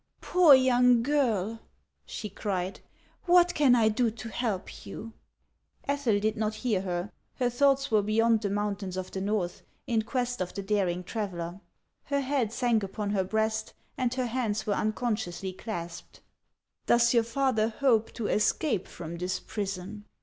" Poor young girl " she cried ;" what can I do to help you ?" Ethel did not hear her. Her thoughts were beyond the mountains of the Xorth, in quest of the daring traveller. Her head sank upon her breast, and her hands were unconsciously clasped. "Does your father hope to escape from this prison?"